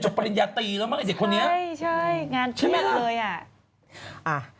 จบปริญญาตีแล้วมั้งไอ้เด็กคนนี้ใช่งานเตรียมเลยอ่ะ